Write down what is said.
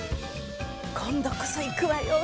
今度こそ行くわよ